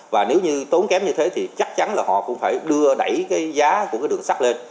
và nếu như tốn kém như thế thì chắc chắn là họ cũng phải đưa đẩy cái giá của cái đường sắt lên